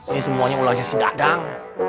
ini semuanya ulasnya si dadang